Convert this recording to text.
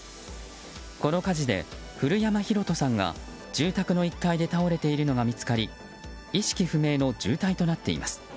この火事で古山弘人さんが住宅の１階で倒れているのが見つかり意識不明の重体となっています。